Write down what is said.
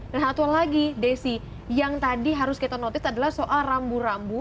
dan satu lagi desy yang tadi harus kita notice adalah soal rambu rambu